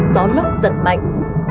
gió lốc giật mạnh